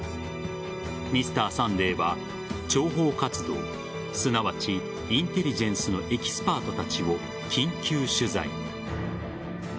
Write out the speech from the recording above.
「Ｍｒ．サンデー」は諜報活動、すなわちインテリジェンスのエキスパートたちを緊急取材。